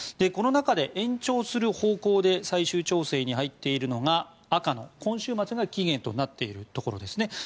この中で延長する方向で最終調整に入っているのが赤の今週末が期限となっているところですね。